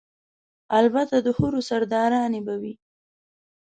الته ده حورو سرداراني به وي